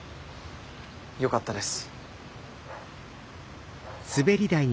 よかったです。